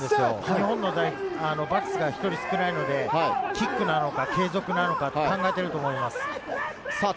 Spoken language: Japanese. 日本の数が１人少ないのでキックなのか、継続なのか考えてると思います。